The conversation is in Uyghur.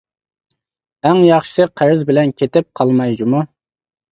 ئەڭ ياخشىسى قەرز بىلەن كېتىپ قالماي جۇمۇ.